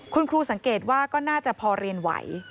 คุณครูสังเกตว่าก็น่าจะพอเรียนไหว